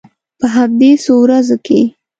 په همدې څو ورځو کې.